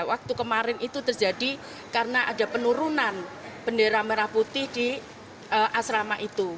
waktu kemarin itu terjadi karena ada penurunan bendera merah putih di asrama itu